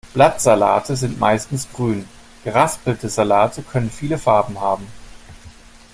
Blattsalate sind meistens grün, geraspelte Salate können viele Farben haben.